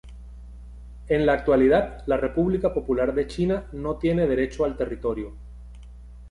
En la actualidad, la República Popular de China no tiene derecho al territorio.